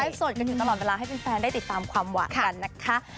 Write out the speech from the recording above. มีการไลฟ์สดอยู่ตลอดเวลาให้เป็นแฟนได้ติดตามความหวานนะคะ